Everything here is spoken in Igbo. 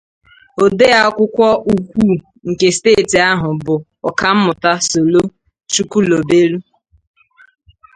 Ode akwụkwọ ukwu nke steeti ahụ bụ ọkammụta Solo Chukulobelụ